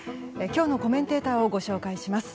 今日のコメンテーターをご紹介します。